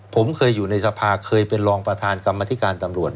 ผมเคยอยู่ในสภาเคยเป็นรองประธานกรรมธิการตำรวจ